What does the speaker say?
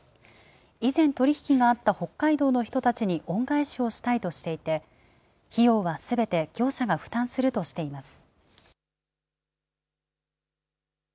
以前、取り引きのあった北海道の人たちに恩返しをしたいとしていて、費用はすべて業者が負担するとしています。